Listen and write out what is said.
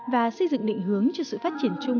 và xây dựng định hướng cho sự phát triển chung